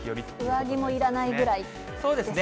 上着もいらないぐらいですかそうですね。